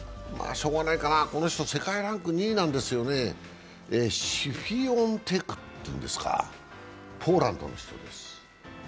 しょうがないかな、この人世界ランク２位なんですよねシフィオンテクというんですか、ポーランドの人です。